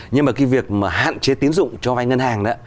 nhưng mà cái việc hạn chế tín dụng cho vai ngân hàng